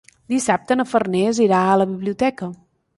Dissabte na Farners irà a la biblioteca.